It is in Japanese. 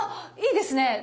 いいですね。